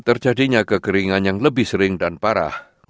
terjadinya kekeringan yang lebih sering dan parah